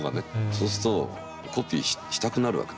そうするとコピーしたくなるわけですよ。